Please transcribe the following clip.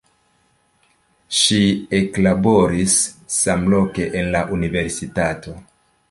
Ŝi eklaboris samloke en la universitato.